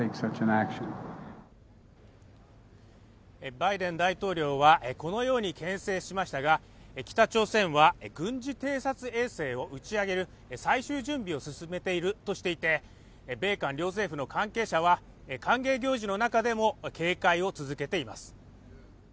バイデン大統領はこのように牽制しましたが北朝鮮は軍事偵察衛星を打ち上げる最終準備を進めているとしていて、米韓両政府の関係者は、歓迎行事の中でも警戒を続けています。